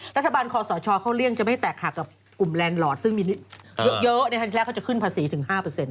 รัฐบาลคอสเชาะเข้าเลี่ยงจะไม่ให้แตกขับกลุ่มแลนด์ลอร์ดซึ่งมีเยอะในครั้งที่แรกเขาจะขึ้นภาษีถึง๕